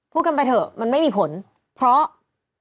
พูดกันไปเถอะมันไม่มีผลเพราะ